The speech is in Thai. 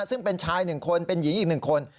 ซึ่งเป็นชายหนึ่งคนเป็นหญิงอีกหนึ่งคน